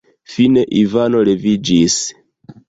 Fine Ivano leviĝis.